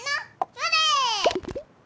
それ！